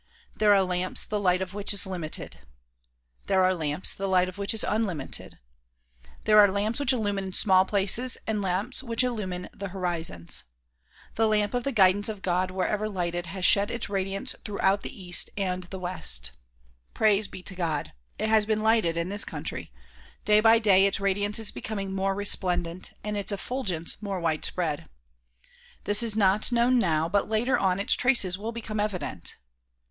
There are lamps the light of which is limited. There are lamps the light of which is unlimited. There are lamps which illumine small places and lamps which illumine the horizons. The lamp of the guidance of God wherever lighted has shed its radiance throughout the east and the west. Praise be to God ! it has been lighted in this country ; day by day its radiance is becoming more resplendent and its effulgence more widespread. This is not known now but later on its traces will become evident.